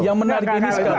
yang menarik ini sekarang